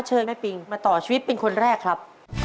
เชิญแม่ปิงมาต่อชีวิตเป็นคนแรกครับ